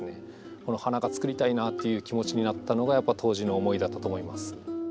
この花がつくりたいなという気持ちになったのが当時の思いだったと思います。